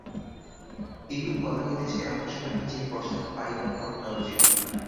এইরূপ কথা হইতেছে, এমন সময় নীচে প্রসাদ পাইবার ঘণ্টা বাজিল।